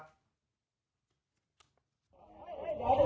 แล้วผมก็อยู่เนี่ย